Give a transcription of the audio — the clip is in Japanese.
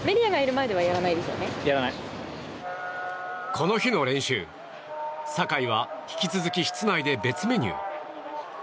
この日の練習、酒井は引き続き室内で別メニュー。